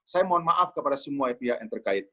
saya mohon maaf kepada semua pihak yang terkait